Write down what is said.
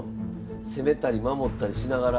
攻めたり守ったりしながら。